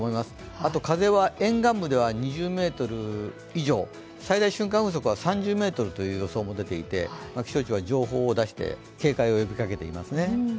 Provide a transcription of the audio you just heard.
あと風は沿岸部では２０メートル以上、最大瞬間風速は３０メートルという予想も出ていて気象庁は情報を出して警戒を呼びかけていますね。